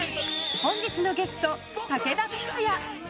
本日のゲスト、武田鉄矢。